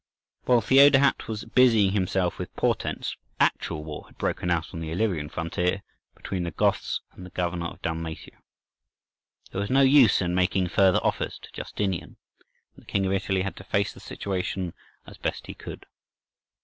While Theodahat was busying himself with portents, actual war had broken out on the Illyrian frontier between the Goths and the governor of Dalmatia. There was no use in making further offers to Justinian, and the king of Italy had to face the situation as best he could.